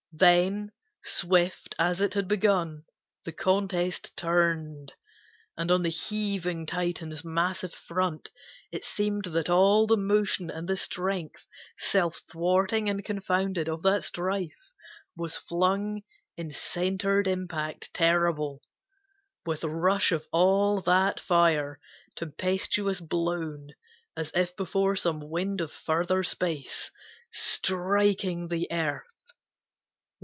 Then, Swift, as it had begun, the contest turned, And on the heaving Titans' massive front It seemed that all the motion and the strength Self thwarting and confounded, of that strife, Was flung in centered impact terrible, With rush of all that fire, tempestuous blown As if before some wind of further space, Striking the earth.